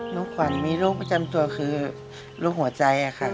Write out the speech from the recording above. น้องขวัญมีลูกประจำตัวคือลูกหัวใจค่ะ